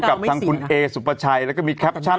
กับทางคุณเอสุปชัยแล้วก็มีแคปชั่น